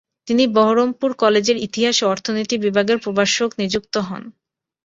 তিনি বহরমপুর কলেজের ইতিহাস ও অর্থনীতি বিভাগের প্রভাষক নিযুক্ত হন।